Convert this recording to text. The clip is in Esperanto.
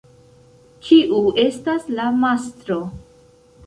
Kiu estas la mastro?